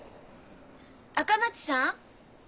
赤松さん？